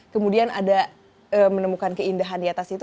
kemudian ada menemukan keindahan di atas itu